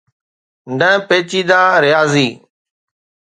نه پيچيده رياضي.